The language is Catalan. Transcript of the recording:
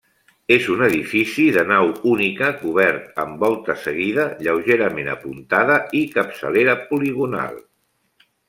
És un edifici de nau única cobert amb volta seguida lleugerament apuntada i capçalera poligonal.